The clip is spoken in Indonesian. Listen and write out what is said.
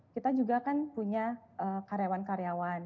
kita juga kan punya karyawan karyawan